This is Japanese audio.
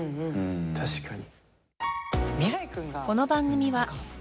確かに。